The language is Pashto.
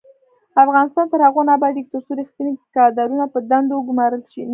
افغانستان تر هغو نه ابادیږي، ترڅو ریښتیني کادرونه په دندو وګمارل نشي.